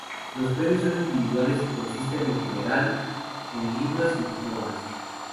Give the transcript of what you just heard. Los premios son individuales y consisten, en general, en libros y diplomas.